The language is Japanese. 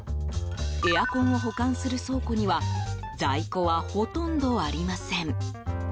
エアコンを保管する倉庫には在庫はほとんどありません。